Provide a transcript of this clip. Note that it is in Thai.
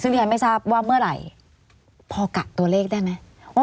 ซึ่งที่ฉันไม่ทราบว่าเมื่อไหร่พอกะตัวเลขได้ไหม